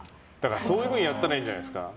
そういうふうにやったらいいんじゃないですか？